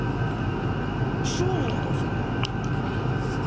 起請文はどうするんだ。